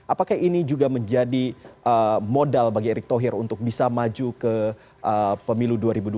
apakah ini juga menjadi modal bagi erick thohir untuk bisa maju ke pemilu dua ribu dua puluh